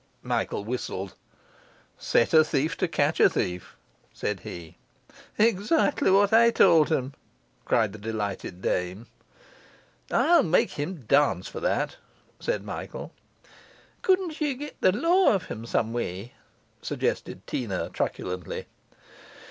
Michael whistled. 'Set a thief to catch a thief,' said he. 'Exac'ly what I told him!' cried the delighted dame. 'I'll make him dance for that,' said Michael. 'Couldn't ye get the law of him some way?' suggested Teena truculently.